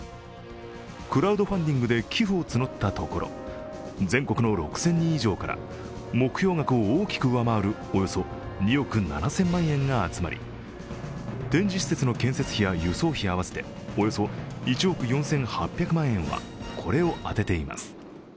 クラウドファンディングで寄付を募ったところ、全国の６０００人以上から目標額を大きく上回るおよそ２億７０００万円が集まり展示施設の建設費や輸送費合わせておよそ１億４８００万円はこれを充てています。